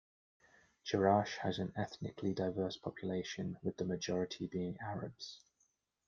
Jerash has an ethnically diverse population, with the majority being Arabs.